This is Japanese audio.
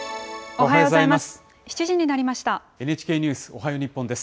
おはようございます。